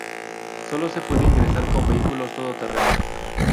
Sólo se puede ingresar con vehículos todo terreno.